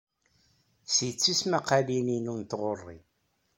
Ti d tismaqqalin-inu n tɣuri.